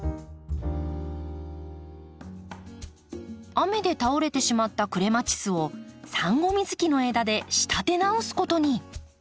雨で倒れてしまったクレマチスをサンゴミズキの枝で仕立て直すことに。